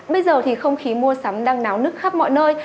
bây giờ thì không khí mua sắm đang náo nức khắp mọi nơi